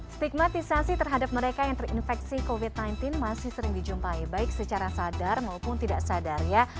stigmatisasi terhadap mereka yang terinfeksi covid sembilan belas masih sering dijumpai baik secara sadar maupun tidak sadar ya